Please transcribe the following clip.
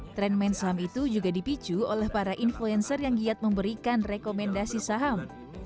tren main saham itu juga dipicu oleh para influencer yang giat memberikan rekomendasi saham